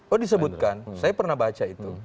oh disebutkan saya pernah baca itu